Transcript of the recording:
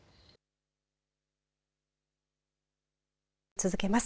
続けます。